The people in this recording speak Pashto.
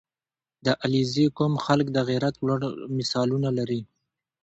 • د علیزي قوم خلک د غیرت لوړ مثالونه لري.